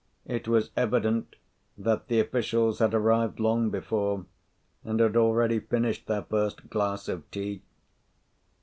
It was evident that the officials had arrived long before, and had already finished their first glass of tea.